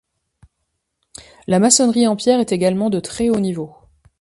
La maçonnerie en pierre est également de très haut niveau.